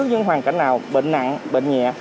những hoàn cảnh nào bệnh nặng bệnh nhẹ